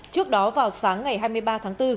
trước đó vào sáng ngày hai mươi ba tháng bốn